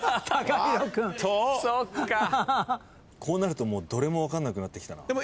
こうなるともうどれも分かんなくなってきたな。